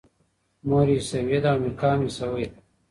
مور یې عیسویه ده او میکا هم عیسوی دی.